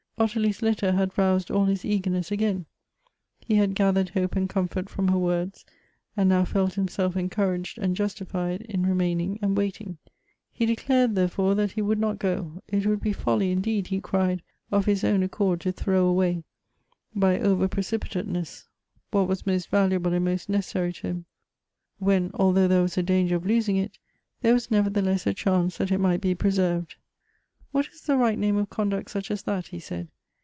Ottilie's letter had roused all his eagerness again; he had gathered hojie and comfort from her words, and now felt liimself en couraged and justified in remaining and waiting. lie declared, therefore, that he would not go ; it would be folly, indeed, he cried, of his own accord to throw away, by over precipitateness, what was most valuable and most necessary to him, when althougli there was a d:\u ger of losing it, there was nevertheless a cliance that it might be preserved. " What is the right name of con duct such as that?" he said.